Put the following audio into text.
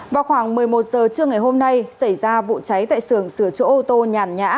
vào khoảng một mươi một giờ trưa ngày hôm nay xảy ra vụ cháy tại sưởng sửa chữa ô tô nhàn nhã